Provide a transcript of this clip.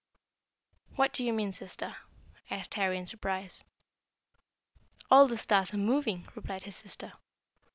"What do you mean, sister?" asked Harry in surprise. "All the stars are moving," replied his sister.